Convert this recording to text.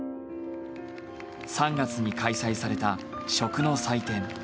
３月に開催された食の祭典